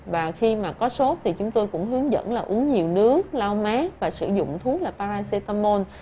và khi mà có sốt thì chúng tôi cũng hướng dẫn là uống nhiều nước lau má và sử dụng thuốc là paracetamol